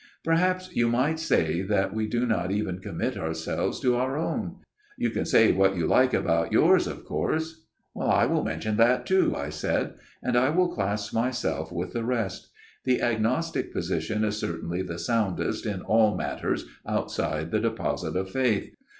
" Perhaps you might say that we do not even commit ourselves to our own. You can say what you like about yours, of course." " I will mention that, too," I said, " and I will class myself with the rest. The agnostic position is certainly the soundest in all matters outside the Deposit of Faith.